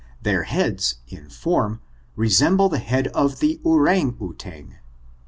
Their heads, in form, resemble the head of the ourang outang.